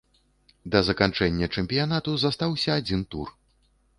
Да заканчэння чэмпіянату застаўся адзін тур.